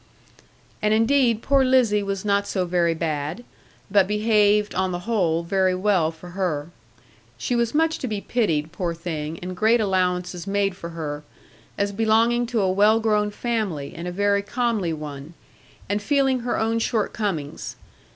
And indeed poor Lizzie was not so very bad; but behaved (on the whole) very well for her. She was much to be pitied, poor thing, and great allowances made for her, as belonging to a well grown family, and a very comely one; and feeling her own shortcomings.